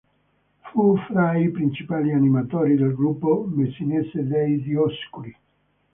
Fu fra i principali animatori del gruppo messinese dei Dioscuri.